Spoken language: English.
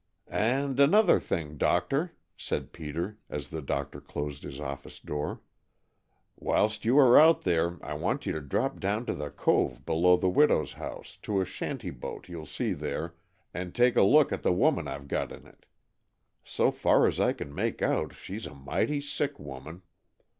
"And another thing, doctor," said Peter, as the doctor closed his office door, "whilst you are out there I want you to drop down to the cove below the widow's house, to a shanty boat you'll see there, and take a look at the woman I've got in it. So far as I can make out she's a mighty sick woman.